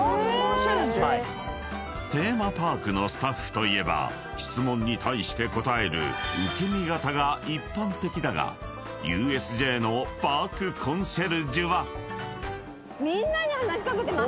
［テーマパークのスタッフといえば質問に対して答える受け身型が一般的だがＵＳＪのパーク・コンシェルジュは］